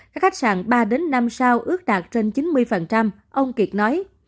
các khách sạn ba năm sao ước đạt trên chín mươi ông kiệt nói